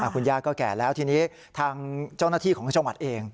คุณย่าก็แก่แล้วทีนี้ทางเจ้าหน้าที่ของจังหวัดเอง